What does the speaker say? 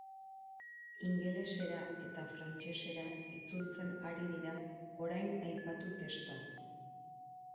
Ingelesera eta frantsesera itzultzen ari dira orain aipatu testa.